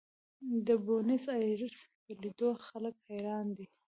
د بونیس ایرس په لیدو خلک حیران دي.